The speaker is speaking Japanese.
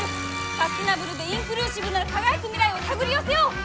サステナブルでインクルーシブな輝く未来を手繰り寄せよう！